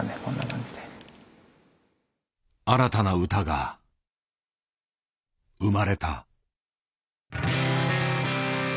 新たな歌が生まれた。